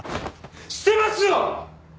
してますよ！